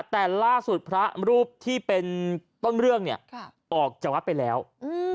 แต่ล่าสุดพระรูปที่เป็นต้นเรื่องเนี้ยค่ะออกจากวัดไปแล้วอืม